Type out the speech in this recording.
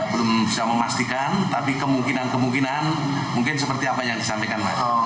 belum bisa memastikan tapi kemungkinan kemungkinan mungkin seperti apa yang disampaikan pak